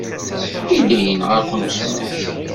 Yella yenɣa-ken usemmiḍ.